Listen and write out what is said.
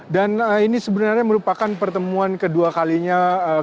dan ini sebenarnya merupakan pertemuan kedua kalinya kemarin